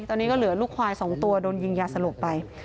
ตอนนี้ก็เหลือลูกควาย๒ตัวโดนยิงยาสลบไป